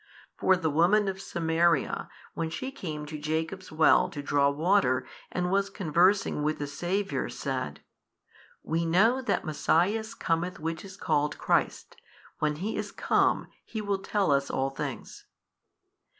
For the woman of Samaria, when she came to Jacob's well to draw water and was conversing with the Saviour, said, We know that Messias cometh Which is called Christ, when He is come, He will tell us all things.